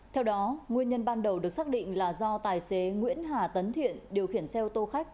theo đó nguyên nhân ban đầu được xác định là do tài xế nguyễn hà tấn thiện điều khiển xe ô tô khách